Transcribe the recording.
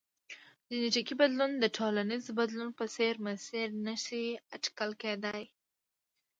جنیټیکي بدلون د ټولنیز بدلون په څېر مسیر نه شي اټکل کېدای.